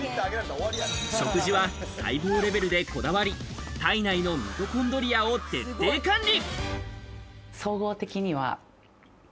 食事は細胞レベルでこだわり、体内のミトコンドリアを徹底管理。